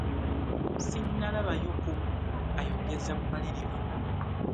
Ssinnalabayo ku mmwe ayogeza bumalirivu.